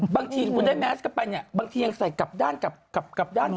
บางทีคุณได้แมสกลับไปบางทียังใส่กลับด้าน